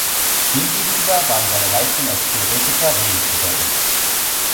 Demgegenüber waren seine Leistungen als Theoretiker wenig bedeutend.